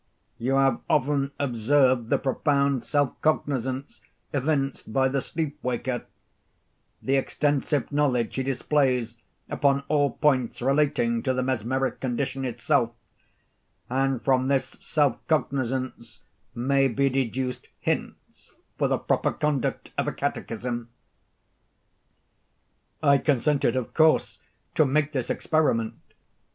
You have often observed the profound self cognizance evinced by the sleep waker—the extensive knowledge he displays upon all points relating to the mesmeric condition itself; and from this self cognizance may be deduced hints for the proper conduct of a catechism." I consented of course to make this experiment.